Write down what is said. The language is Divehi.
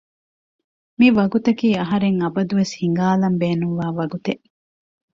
މިވަގުތަކީ އަހަރެން އަބަދުވެސް ހިނގާލަން ބޭނުންވާ ވަގުތެއް